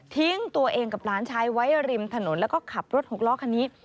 ตัวเองกับหลานชายไว้ริมถนนแล้วก็ขับรถหกล้อคันนี้